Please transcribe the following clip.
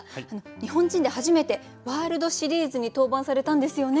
日本人で初めてワールドシリーズに登板されたんですよね？